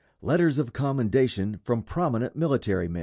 LETTERS OF COMMENDATION FROM PROMINENT MILITARY MEN.